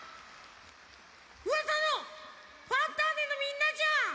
うわさの「ファンターネ！」のみんなじゃん！